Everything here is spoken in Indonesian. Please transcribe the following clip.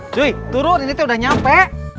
cuy turun ini udah nyampe